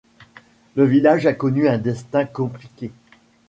Le village a connu un destin compliqué.